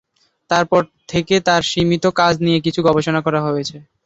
তারপর থেকে তার সীমিত কাজ নিয়ে কিছু গবেষণা করা হয়েছে।